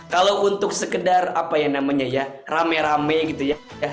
kalau untuk sekedar apa ya namanya ya rame rame gitu ya